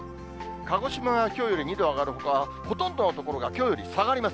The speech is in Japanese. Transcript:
鹿児島がきょうより２度上がるほかは、ほとんどの所がきょうより下がります。